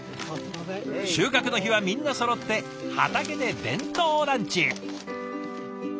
収穫の日はみんなそろって畑で弁当ランチ。